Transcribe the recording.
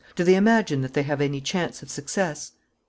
Do they imagine that they have any chance of success?'